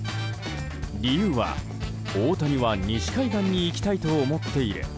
理由は、大谷は西海岸に行きたいと思っている。